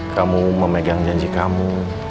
kamu memegang janji kamu